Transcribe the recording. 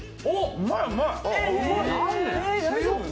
うまいうまい！